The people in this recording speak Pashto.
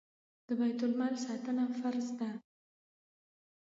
د بیت المال ساتنه فرض ده